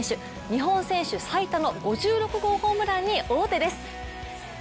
日本選手最多の５６号ホームランに王手です。